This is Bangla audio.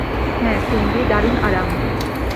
হ্যাঁ, সিন্ডি, দারুণ আরাম।